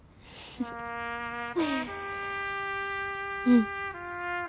うん。